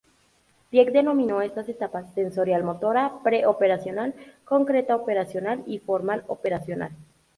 Piaget denominó estas etapas sensorial-motora, pre-operacional, concreta-operacional y formal-operacional.